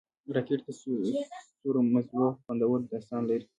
راکټ د ستورمزلو خوندور داستان لري